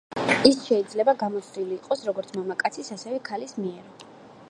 ის შეიძლება გამოცდილი იყოს როგორც მამაკაცის, ასევე, ქალის მიერ.